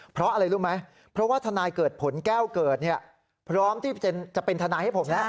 เพราะว่าธนายเกิดผลแก้วเกิดพร้อมที่จะเป็นธนายให้ผมแล้ว